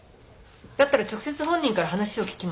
だったら直接本人から話を聞きましょう。